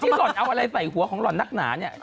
หล่อนเอาอะไรใส่หัวของหล่อนนักหนาเนี่ย